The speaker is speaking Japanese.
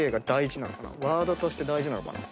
ワードとして大事なのかな